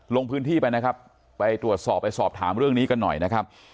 ลงพื้นที่ไปนะครับไปตรวจสอบไปสอบถามเรื่องนี้กันหน่อยนะครับ